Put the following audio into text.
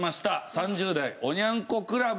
３０代おニャン子クラブ。